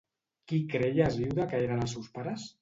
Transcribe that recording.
Qui creia Hesíode que eren els seus pares?